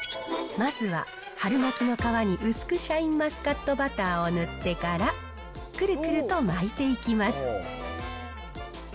まずは、春巻きの皮に薄くシャインマスカットバターを塗ってから、くるくると巻いていきます。